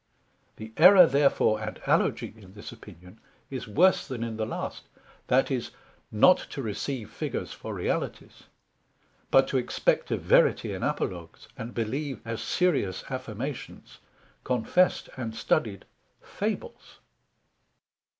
The Error therefore and Alogy in this opinion, is worse then in the last; that is, not to receive Figures for Realities, but to expect a verity in Apologues; and believe, as serious affirmations, confessed and studied Fables.